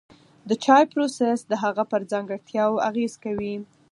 د چای پروسس د هغه پر ځانګړتیاوو اغېز کوي.